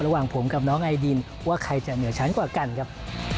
ระหว่างผมกับน้องไอดินว่าใครจะเหนือชั้นกว่ากันครับ